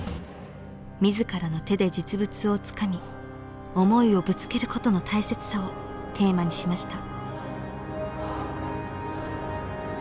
自らの手で実物をつかみ思いをぶつけることの大切さをテーマにしました。